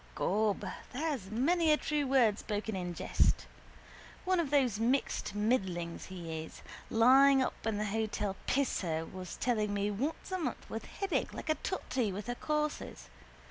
Gob, there's many a true word spoken in jest. One of those mixed middlings he is. Lying up in the hotel Pisser was telling me once a month with headache like a totty with her courses.